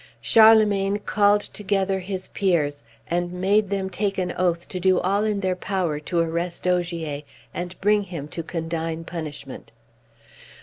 Charlemagne called together his peers, and made them take an oath to do all in their power to arrest Ogier, and bring him to condign punishment.